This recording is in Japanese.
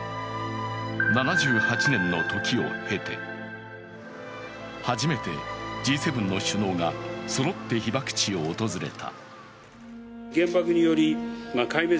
７８年の時を経て初めてＧ７の首脳がそろって被爆地を訪れた。